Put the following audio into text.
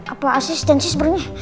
apa asistensi sebenernya